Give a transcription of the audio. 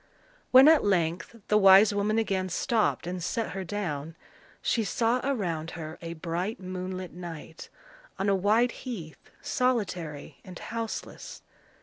When at length the wise woman again stopped and set her down, she saw around her a bright moonlit night, on a wide heath, solitary and houseless.